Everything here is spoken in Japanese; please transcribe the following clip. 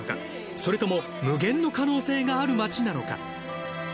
それとも無限の可能性がある街なのか。